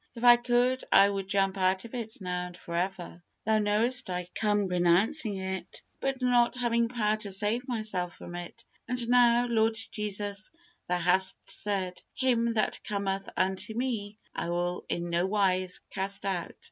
If I could, I would jump out of it now and forever. Thou knowest I come renouncing it, but not having power to save myself from it; and now, Lord Jesus, Thou hast said, "Him that cometh unto Me, I will in no wise cast out."